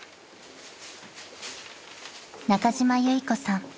［中島由依子さん